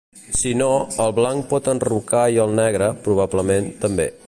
Si no, el blanc pot enrocar i el negre, probablement, també.